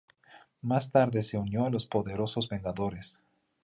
Más tarde se unió a los Poderosos Vengadores.